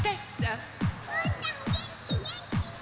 うーたんげんきげんき！